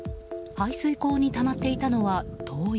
排水溝にたまっていたのは灯油。